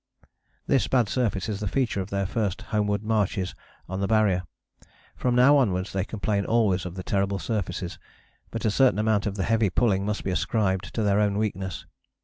" This bad surface is the feature of their first homeward marches on the Barrier. From now onwards they complain always of the terrible surfaces, but a certain amount of the heavy pulling must be ascribed to their own weakness.